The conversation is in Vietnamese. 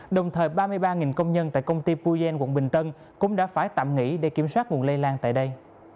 đồng thời ba mươi ba công nhân tại công ty pujen quận bình tân cũng đã phải tạm nghỉ để kiểm soát nguồn lây lan tại đây